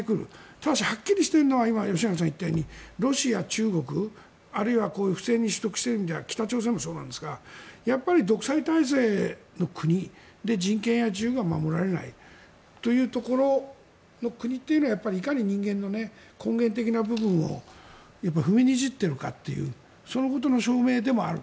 ただし、はっきりしているのは今、吉永さんが言ったようにロシア、中国、あるいは不正に取得している意味では北朝鮮もそうなんですがやっぱり独裁体制の国人権や自由が守られない国というのはいかに人間の根源的な部分を踏みにじっているかというそのことの証明でもある。